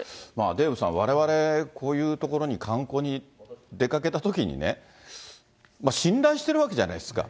デーブさん、われわれ、こういう所に観光に出かけたときにね、信頼しているわけじゃないですか。